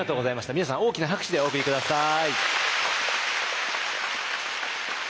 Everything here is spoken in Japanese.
皆さん大きな拍手でお送り下さい。